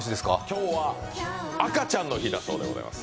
今日は赤ちゃんの日だそうです。